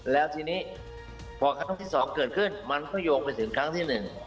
แล้วทีนี้พอครั้งที่๒เกิดขึ้นมันก็โยงไปถึงครั้งที่๑